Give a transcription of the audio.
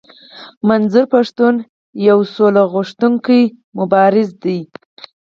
منظور پښتون يو سوله غوښتونکی مبارز دی.